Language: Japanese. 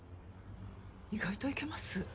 意外といけます